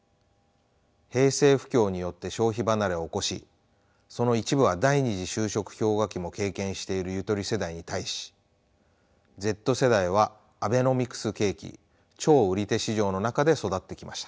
平成不況によって消費離れを起こしその一部は第二次就職氷河期も経験しているゆとり世代に対しＺ世代はアベノミクス景気超売り手市場の中で育ってきました。